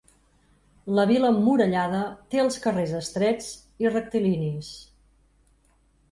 La vila emmurallada té els carrers estrets i rectilinis.